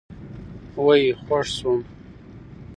وئ خوږ شوم